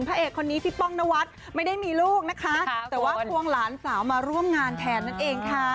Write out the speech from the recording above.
ปองนวัดไม่ได้มีลูกนะคะแต่ว่ากว้องหลานสาวมาร่วมงานแทนนั่นเองค่ะ